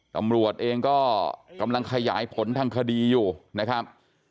ตำรวจเองก็กำลังขยายผลทางคดีอยู่นะครับ